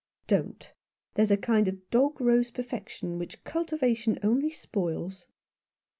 " Don't. There is a kind of dog rose perfection which cultivation only spoils."